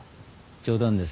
冗談です。